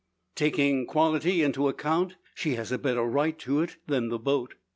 Taking quality into account, she has a better right to it than the boat.